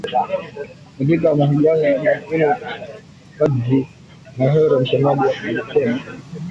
Katika mahojiano ya Jumapili Fadzayi Mahere msemaji wa alisema